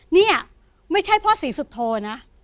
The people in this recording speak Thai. นี่ไม่ใช่พ่อศรีสุโธนะ